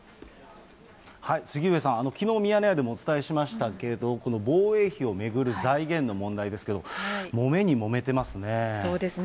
杉上さん、きのう、ミヤネ屋でもお伝えしましたけど、この防衛費を巡る財源の問題ですけれども、もめにもめてますね。